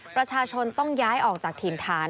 ประชาชนต้องย้ายออกจากถิ่นฐาน